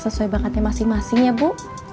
sesuai bakatnya masing masing ya bu